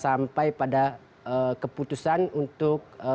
sampai pada keputusan untuk